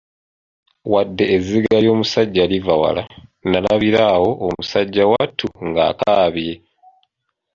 Wadde ezziga ly'omusajja liva wala, nalabira awo musajja wattu ng'agakaabye.